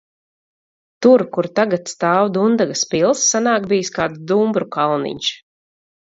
Tur, kur tagad stāv Dundagas pils, senāk bijis kāds dumbru kalniņš.